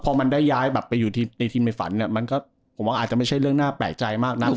พอมันได้ย้ายแบบไปอยู่ในทีมในฝันเนี่ยมันก็ผมว่าอาจจะไม่ใช่เรื่องน่าแปลกใจมากนัก